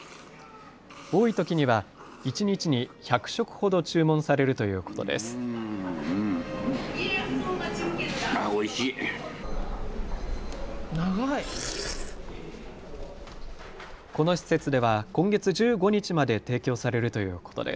多いときには一日に１００食ほど注文されるということです。